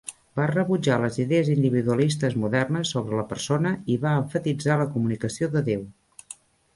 Va rebutjar les idees individualistes modernes sobre la persona i va emfatitzar la comunicació de Déu.